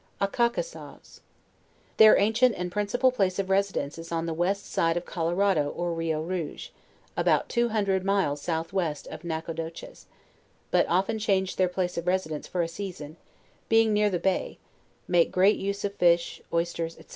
ACCOCKESAWS. Their ancient town and principal place of residence is on the west side of Colerado or Rio Rouge, about two hundred miles south west of Nacogdoches, but of ten change their place of residence for a season; being near the bay, make great use of fiish, oysters, &c.